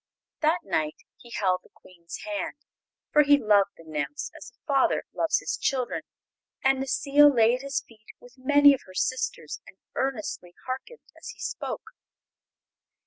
That night he held the Queen's hand, for he loved the nymphs as a father loves his children; and Necile lay at his feet with many of her sisters and earnestly harkened as he spoke.